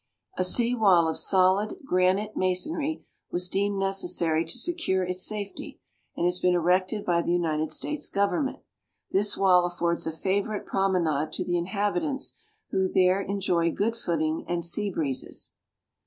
A sea wall of solid granite masonry was deemed necessary to secure its safety, and has been erected by the United States Government. This wall affords a favorite promenade to the inhabitants, who there enjoy good footing and sea breezes.